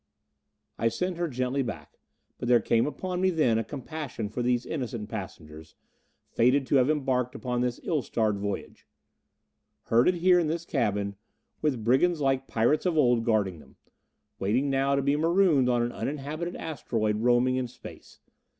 I sent her gently back. But there came upon me then a compassion for these innocent passengers, fated to have embarked upon this ill starred voyage. Herded here in this cabin, with brigands like pirates of old guarding them. Waiting now to be marooned on an uninhabited asteroid roaming in space.